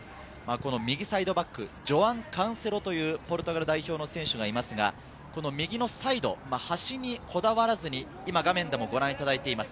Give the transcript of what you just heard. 右サイドバック、ジョアン・カンセロというポルトガル代表の選手がいますが、右のサイド、端にこだわらずに、今画面でもご覧いただいています。